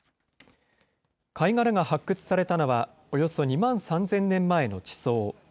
貝殻が発掘されたのは、およそ２万３０００年前の地層。